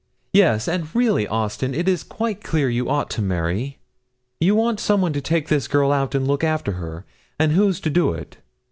'Yes, and really, Austin, it is quite clear you ought to marry; you want some one to take this girl out, and look after her, and who's to do it?